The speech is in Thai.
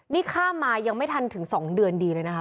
นี่ข้ามมายังไม่ทันถึง๒เดือนดีเลยนะคะ